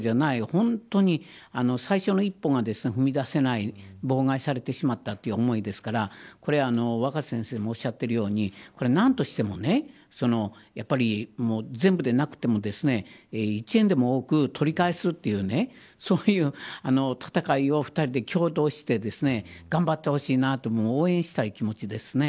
本当に、最初の一歩が踏み出せない、妨害されてしまったという思いですから若狭先生もおっしゃっているように何としても全部でなくても１円でも多く取り返すというねそういう戦いを２人で共同して頑張ってほしいなと応援したい気持ちですね。